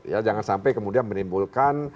ya jangan sampai kemudian menimbulkan